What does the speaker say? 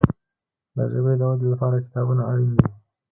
د ژبي د ودي لپاره کتابونه اړین دي.